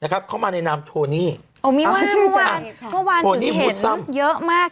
นะครับเข้ามาแนะนำโทนี้โอ้มีว่างเมื่อวานเมื่อวานถึงเห็นเยอะมาก